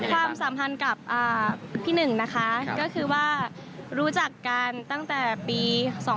ความสัมพันธ์กับพี่หนึ่งรู้จักกันตั้งแต่ปี๒๕๖๓